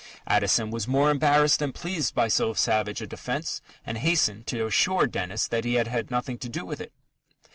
Addison was more embarrassed than pleased by so savage a defence, and hastened to assure Dennis that he had had nothing to do with it.